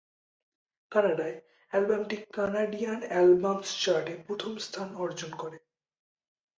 কানাডায়, অ্যালবামটি Canadian albums চার্টে প্রথম স্থান অর্জন করে।